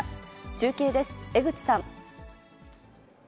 中継です、江口さん。